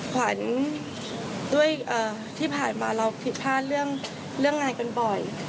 ขวัญด้วยที่ผ่านมาเราผิดพลาดเรื่องงานกันบ่อย